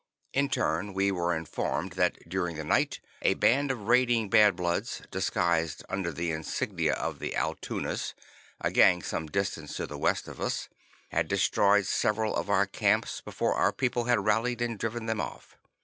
In turn we were informed that during the night a band of raiding Bad Bloods, disguised under the insignia of the Altoonas, a gang some distance to the west of us, had destroyed several of our camps before our people had rallied and driven them off.